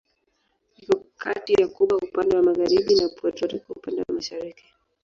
Iko kati ya Kuba upande wa magharibi na Puerto Rico upande wa mashariki.